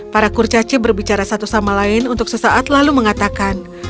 para kurcaci berbicara satu sama lain untuk sesaat lalu mengatakan